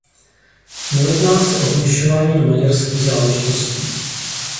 Nejedná se o vměšování do maďarských záležitostí.